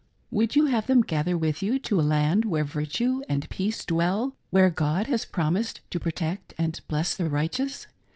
Would you have them gather with you to a land where virtue and peace dwell, where God has promised to protect and bless the right eous